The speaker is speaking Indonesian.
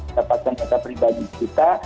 dapatkan data pribadi kita